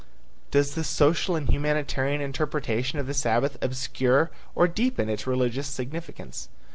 Does the social and humanitarian interpretation of the Sabbath obscure or deepen its religious significance?